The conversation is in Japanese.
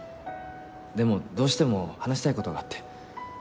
でもどうしても話したい事があって。